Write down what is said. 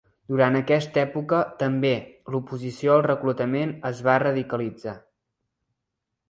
Durant aquesta època, també, l'oposició al reclutament es va radicalitzar.